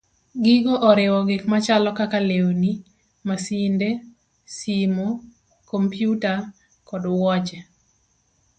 Gigo oriwo gik machalo kaka lewni, masinde, simo, kompyuta, kod wuoche.